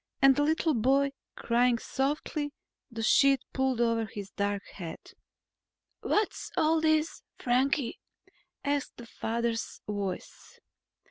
And the little boy crying softly, the sheet pulled over his dark head. "What's all this, Frankie?" asked the father's voice.